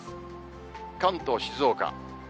関東、静岡。